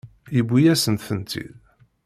Yewwi-yasent-tent-id.